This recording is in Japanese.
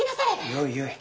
よいよい。